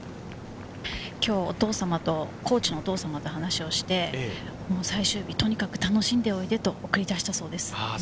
今日お父様と、コーチのお父様と話をして、最終日、とにかく楽しんでおいでと送り出したそうです。